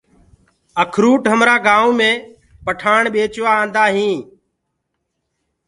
اکروُٽ همرآ گآئونٚ پٺآڻ ڀيچوآ آندآ هين۔